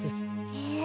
へえ。